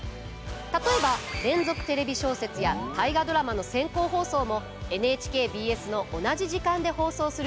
例えば「連続テレビ小説」や「大河ドラマ」の先行放送もＮＨＫＢＳの同じ時間で放送する予定です。